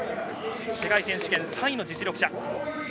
世界選手権３位の実力者。